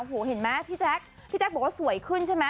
เห็นไหมพี่แจ๊คพี่แจ๊คบอกว่าสวยขึ้นใช่ไหม